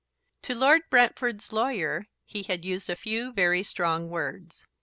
To Lord Brentford's lawyer he had used a few very strong words.